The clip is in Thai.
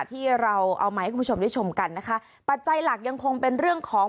ที่เราเอามาให้คุณผู้ชมได้ชมกันนะคะปัจจัยหลักยังคงเป็นเรื่องของ